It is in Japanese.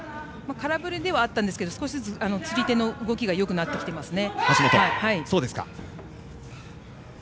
空振りではあったんですが少しずつ釣り手の動きがよくなってきていますね。